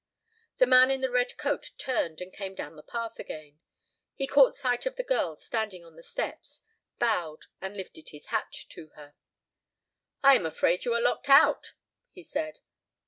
The man in the red coat turned and came down the path again. He caught sight of the girl standing on the steps, bowed, and lifted his hat to her. "I am afraid you are locked out," he said.